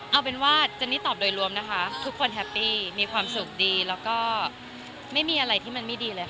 เอาเป็นว่าเจนนี่ตอบโดยรวมนะคะทุกคนแฮปปี้มีความสุขดีแล้วก็ไม่มีอะไรที่มันไม่ดีเลยค่ะ